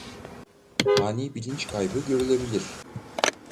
Ani bilinç kaybı görülebilir.